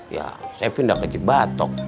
ya saya pindah ke jebatok